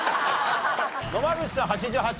野間口さん８８。